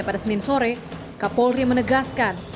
pada senin sore kapolri menegaskan